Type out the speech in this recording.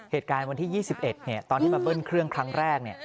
เหตุการณ์วันที่๒๑ตอนที่มาเบิ้ลเครื่องครั้งแรก